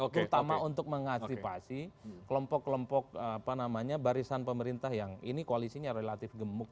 terutama untuk mengantisipasi kelompok kelompok barisan pemerintah yang ini koalisinya relatif gemuk